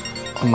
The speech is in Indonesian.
seperti saat ini